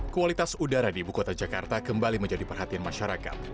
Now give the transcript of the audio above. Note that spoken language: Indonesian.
kualitas udara di ibu kota jakarta kembali menjadi perhatian masyarakat